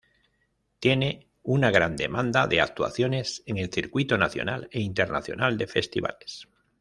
Tiene una gran demanda de actuaciones en el circuito nacional e internacional de festivales.